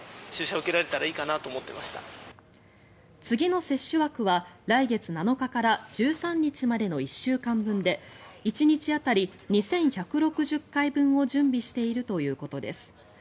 次の接種枠は来月７日から１３日までの１週間分で１日当たり２１６０回分を準備しているということです。